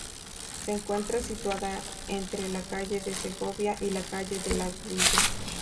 Se encuentra situada entre la calle de Segovia y la calle de la Villa.